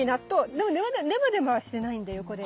でもネバネバはしてないんだよこれ。